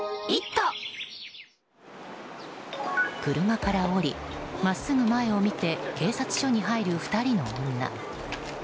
車から降り、真っすぐ前を見て警察署に入る２人の女。